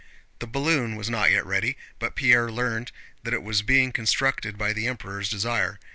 The balloon was not yet ready, but Pierre learned that it was being constructed by the Emperor's desire.